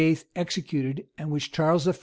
executed, and which Charles I.